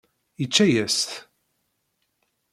Yečča-as-t.